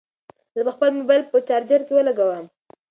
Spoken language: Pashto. زه به خپل موبایل په چارجر کې ولګوم.